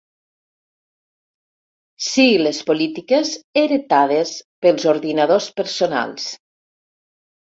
Sigles polítiques heretades pels ordinadors personals.